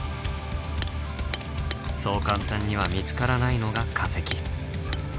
そう簡単には見つからないのが化石。